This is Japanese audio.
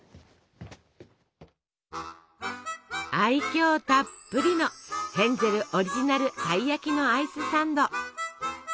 愛きょうたっぷりのヘンゼルオリジナルたい焼きのアイスサンド。